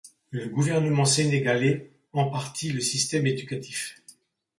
Le gouvernement sénégalais en partie le système éducatif.